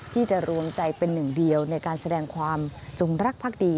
ที่จะรวมใจเป็นหนึ่งเดียวในการแสดงความจงรักภักดี